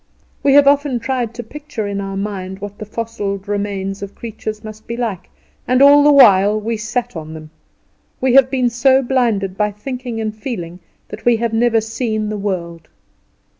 We have often tried to picture in our mind what the fossiled remains of creatures must be like, and all the while we sat on them, we have been so blinded by thinking and feeling that we have never seen the world.